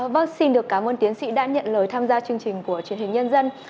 vâng xin được cảm ơn tiến sĩ đã nhận lời tham gia chương trình của truyền hình nhân dân